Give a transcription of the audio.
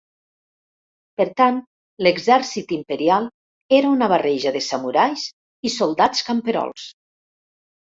Per tant, l'exèrcit imperial era una barreja de samurais i soldats camperols.